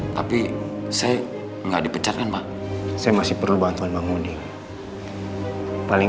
tapi saya enggak dipecatkan pak saya masih perlu bantuan bangun paling